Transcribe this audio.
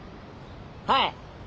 はい！